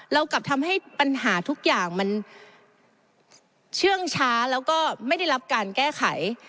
เรากลับทำให้ปัญหาทุกอย่างมันเชื่องช้าแล้วก็ไม่ได้รับการแก้ไข